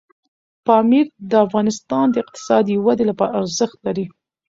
پامیر د افغانستان د اقتصادي ودې لپاره ارزښت لري.